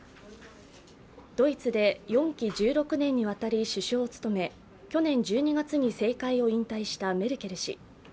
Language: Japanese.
ドイツで４期１６年にわたり首相を務め去年１２月に政界を引退したメルケル氏。